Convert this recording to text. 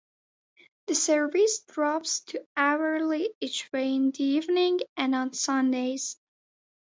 The service drops to hourly each way in the evenings and on Sundays.